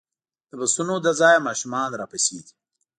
د بسونو له ځایه ماشومان راپسې دي.